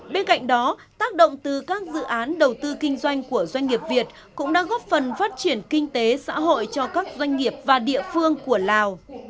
bên cạnh đó tác động từ các dự án đầu tư kinh doanh của doanh nghiệp việt cũng đã góp phần phát triển kinh tế xã hội cho các doanh nghiệp và địa phương của lào